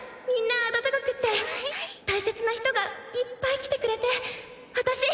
みんな温かくって大切な人がいっぱい来てくれて私